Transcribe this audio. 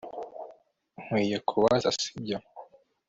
Nkwiye kubaza sibyo